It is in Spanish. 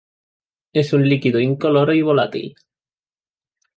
Es un líquido incoloro y volátil.